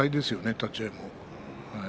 立ち合いも。